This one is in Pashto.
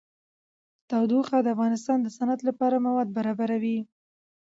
تودوخه د افغانستان د صنعت لپاره مواد برابروي.